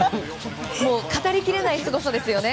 もう語り切れないすごさですよね。